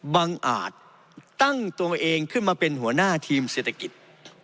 อาจตั้งตัวเองขึ้นมาเป็นหัวหน้าทีมเศรษฐกิจ